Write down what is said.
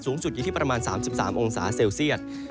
สูงสุดอยู่ที่ประมาณ๓๓องศาเซลเซียต